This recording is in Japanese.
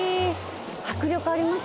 迫力あります